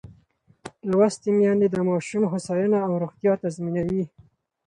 لوستې میندې د ماشوم هوساینه او روغتیا تضمینوي.